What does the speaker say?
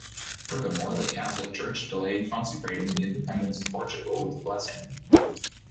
Furthermore, the Catholic Church delayed consecrating the independence of Portugal with a blessing.